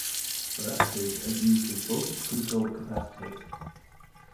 Varactors are used as voltage-controlled capacitors.